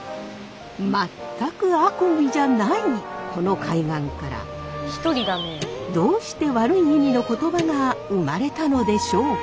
全くあこぎじゃないこの海岸からどうして悪い意味の言葉が生まれたのでしょうか。